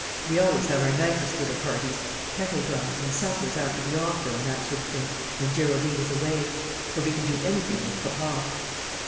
We always have our nicest little parties kettle drums, and suppers after the opera, and that sort of thing when Geraldine is away; for we can do anything with papa."